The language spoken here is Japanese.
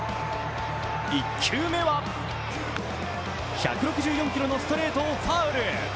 １球目は１６４キロのストレートをファウル。